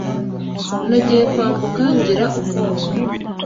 Nagiye kwambuka ngira ubwoba